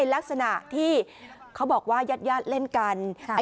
ลักษณะที่เขาบอกว่าญาติเล่นกัน